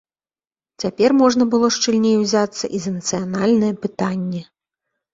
Цяпер можна было шчыльней узяцца і за нацыянальнае пытанне.